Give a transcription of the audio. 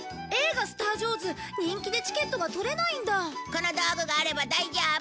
この道具があれば大丈夫！